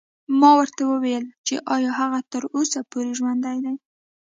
ما ورته وویل چې ایا هغه تر اوسه پورې ژوندی دی.